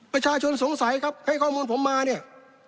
ประชาชนสงสัยครับให้ข้อมูลผมมาเนี่ย